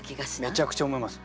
めちゃくちゃ思います。